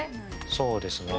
そうですね。